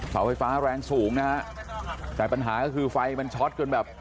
เสาไฟฟ้าแรงสูงนะฮะแต่ปัญหาก็คือไฟมันช็อตจนแบบ